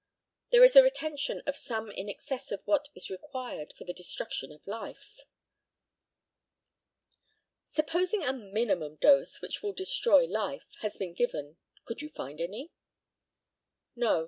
There is a retention of some in excess of what is required for the destruction of life. Supposing a minimum dose, which will destroy life, has been given, could you find any? No.